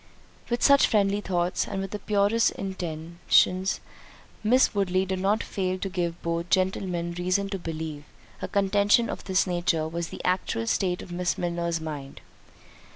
With such friendly thoughts, and with the purest intentions, Miss Woodley did not fail to give both gentlemen reason to believe, a contention of this nature was the actual state of Miss Milner's mind.